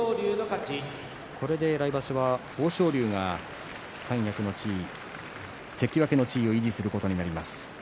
これで来場所は豊昇龍が三役の地位関脇の地位を維持することになります。